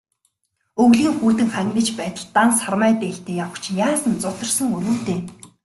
Өвлийн хүйтэн хангинаж байтал, дан сармай дээлтэй явах чинь яасан зутарсан үр вэ дээ.